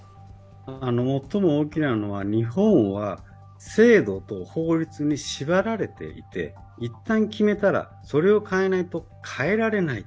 最も大きなのは、日本は制度と法律に縛られていて一旦決めたら、それを変えないと変えられない。